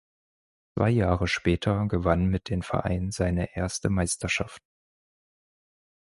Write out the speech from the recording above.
Zwei Jahre später gewann mit den Verein seine erste Meisterschaft.